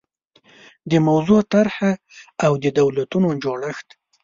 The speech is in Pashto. د موضوع طرحه او د دولتونو جوړښت